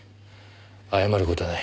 謝る事はない。